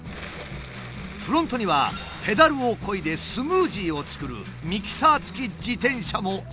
フロントにはペダルをこいでスムージーを作るミキサーつき自転車も設置されている。